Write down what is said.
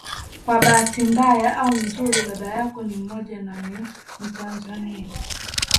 Kwa bahati mbaya au nzuri baba yao ni mmoja na ni mtanzania